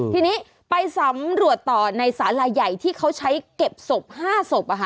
ทีนี้ไปสำรวจต่อในสาลาใหญ่ที่เขาใช้เก็บศพ๕ศพ